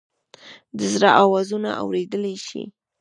د زړه آوازونه اوریدلئ شې؟